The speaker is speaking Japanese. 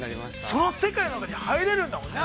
◆その世界の中に入れるんだもんね。